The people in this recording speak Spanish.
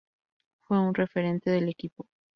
Fue un referente del equipo.